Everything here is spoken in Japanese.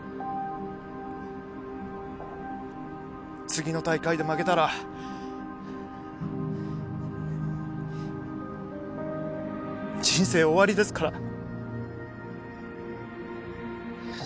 次の大会で負けたら人生終わりですからいや